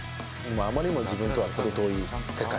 あまりにも自分とは程遠い世界。